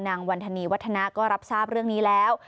วันธนีวัฒนาก็รับทราบเรื่องนี้แล้ว